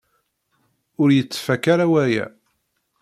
Ur yettfaka ara waya.